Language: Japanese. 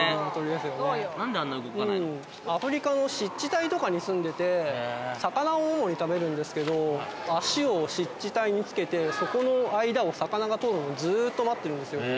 アフリカの湿地帯とかにすんでて魚を主に食べるんですけどあしを湿地帯につけてそこの間を魚が通るのをずっと待ってるんですよ